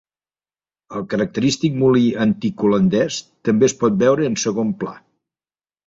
El característic molí antic holandès també es pot veure en segon pla.